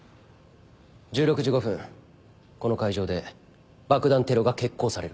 １６時５分この会場で爆弾テロが決行される。